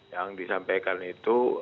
yang disampaikan itu